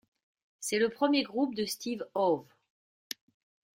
C’est le premier groupe de Steve Howe.